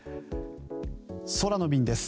空の便です。